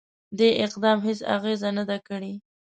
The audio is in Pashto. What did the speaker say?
دې اقدام هیڅ اغېزه نه ده کړې.